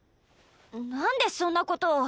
なんでそんなことを。